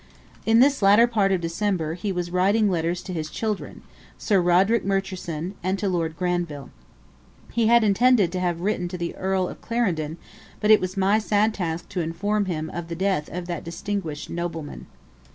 In this latter part of December he was writing letters to his children, to Sir Roderick Murchison, and to Lord Granville. He had intended to have written to the Earl of Clarendon, but it was my sad task to inform him of the death of that distinguished nobleman.